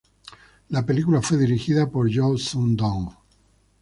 La película fue dirigida por Yoo Sun Dong.